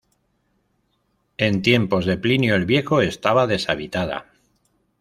En tiempos de Plinio el Viejo estaba deshabitada.